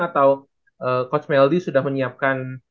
atau coach meldi sudah menyiapkan